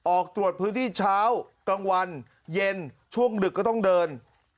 ออกตรวจพื้นที่เช้ากลางวันเย็นช่วงดึกก็ต้องเดิน